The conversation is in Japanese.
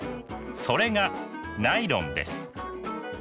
それがナイロンです。